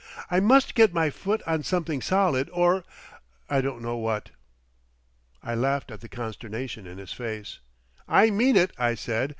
I must get my foot on something solid or—I don't know what." I laughed at the consternation in his face. "I mean it," I said.